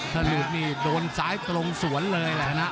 ถ้าหลุดนี่โดนซ้ายตรงสวนเลยแหละนะ